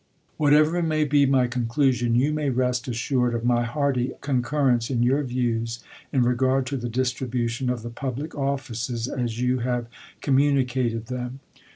Whatever may be my conclusion, you may rest assured of my hearty concurrence in your views in regard to the distribution of the public offices as you have communi cated them.